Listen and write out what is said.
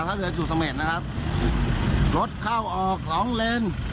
ท่าเรือจุดเสม็ดนะครับรถเข้าออกลองเลน